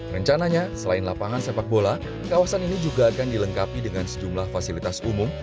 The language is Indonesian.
rencananya selain lapangan sepak bola kawasan ini juga akan dilengkapi dengan sejumlah fasilitas umum